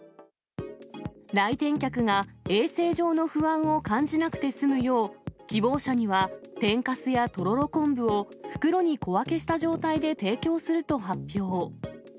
来店客が衛生上の不安を感じなくて済むよう、希望者には天かすやとろろ昆布を、袋に小分けした状態で提供すると発表。